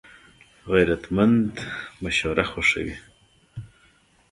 غیرتمند مشوره خوښوي